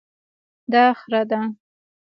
دا خره ده